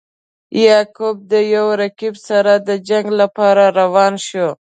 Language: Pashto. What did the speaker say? یعقوب د یو رقیب سره د جنګ لپاره روان شو.